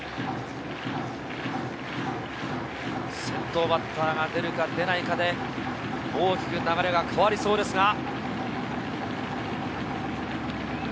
先頭バッターが出るか出ないかで、大きく流れが変わりそうです。